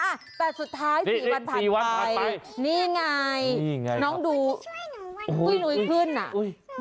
อ่ะแต่สุดท้าย๔วันผ่านไปนี่ไงน้องดูคุยนุยขึ้นนะ